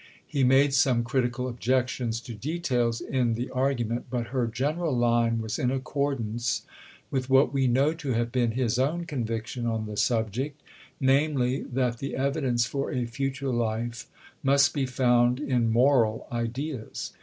He made some critical objections to details in the argument, but her general line was in accordance with what we know to have been his own conviction on the subject, namely, that the evidence for a future life must be found in moral ideas.